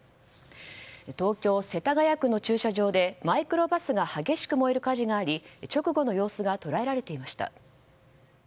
東京・世田谷区の駐車場でマイクロバスが激しく燃える火事があり直後の様子が捉えられていました。